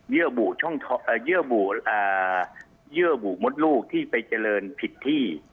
เยื่อบู่หมดลูกที่ไปเจริญผิดที่